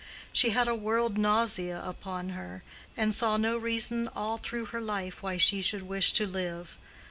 She had a world nausea upon her, and saw no reason all through her life why she should wish to live.